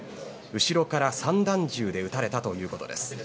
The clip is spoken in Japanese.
後ろから散弾銃で撃たれたということです。